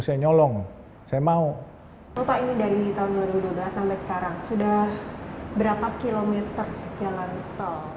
saya nyolong saya mau lupa ini dari tahun dua ribu dua belas sampai sekarang sudah berapa kilometer jalan tol